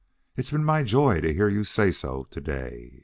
It's been my joy to hear you say so to day.